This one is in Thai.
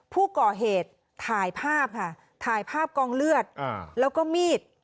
ผู้ก่อเหตุถ่ายภาพค่ะถ่ายภาพกองเลือดแล้วก็มีด